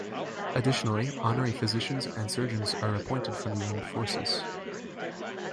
Additionally, honorary physicians and surgeons are appointed from the armed forces.